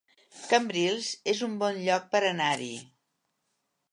Cambrils es un bon lloc per anar-hi